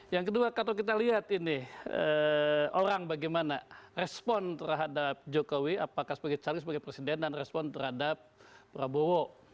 yang kedua kalau kita lihat ini orang bagaimana respon terhadap jokowi apakah sebagai calon sebagai presiden dan respon terhadap prabowo